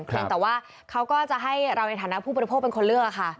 เพียงแต่ว่าเขาก็จะให้เราในฐานะผู้บริโภคเป็นคนเลือกค่ะ